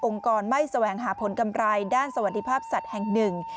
กรไม่แสวงหาผลกำไรด้านสวัสดิภาพสัตว์แห่งหนึ่ง